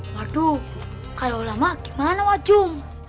waduh kalau lama gimana wak jum